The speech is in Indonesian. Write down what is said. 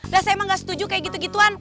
lah saya emang gak setuju kayak gitu gituan